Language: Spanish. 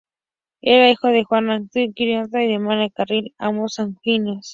Era hijo de Juan Antonio Quiroga y Damiana del Carril, ambos sanjuaninos.